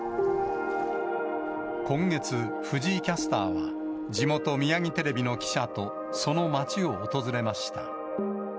今月、藤井キャスターは、地元、ミヤギテレビの記者とその町を訪れました。